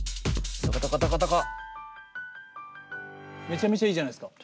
めちゃめちゃいいじゃないですか。